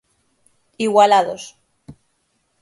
Igualados.